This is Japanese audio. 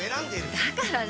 だから何？